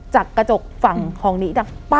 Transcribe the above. จากกระจกฝั่งคลองนี้